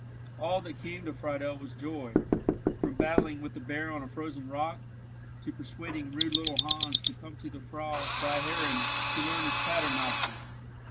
All that came to Friedel was joy, from battling with the bear on a frozen rock, to persuading rude little Hans to come to the Frau Freiherrinn to learn his Paternoster.